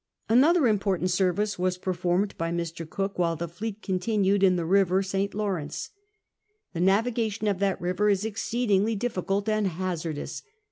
Anotlier i important service .was perfonned by Mr. Cook while the fleet continued in the river St. Lav'rence. The navigation of that river is exceedingly diflieult and hazardous.